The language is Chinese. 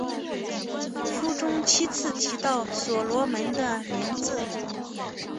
书中七次提到所罗门的名字。